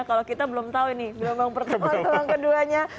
kalau kita belum tahu ini gelombang pertama gelombang keduanya